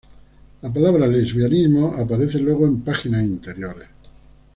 La palabra "Lesbianismo" aparece luego en páginas interiores.